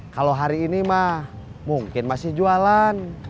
kalau hari ini mah mungkin masih jualan